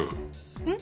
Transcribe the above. うん？